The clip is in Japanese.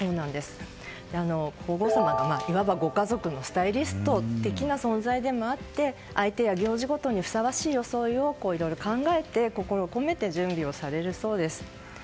皇后さまがいわば、ご家族のスタイリスト的な存在でもあって相手や行事ごとにふさわしい装いをいろいろ考えて、心を込めて準備をされるそうです。